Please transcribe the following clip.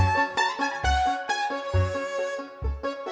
harus dari ibu mak